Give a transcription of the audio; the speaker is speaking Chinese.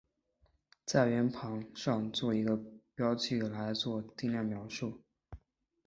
在圆盘上做一个标记来做定量描述。